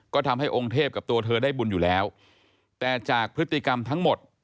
ก็ทำให้องค์เทพกับตัวเธอได้บุญอยู่แล้วแต่จากพฤติกรรมทั้งหมด